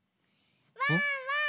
ワンワーン！